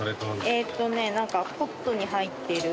えっとね何かコップに入ってる